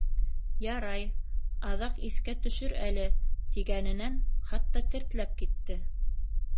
Ярай, аҙаҡ иҫкә төшөр әле... —тигәненән хатта тертләп китте.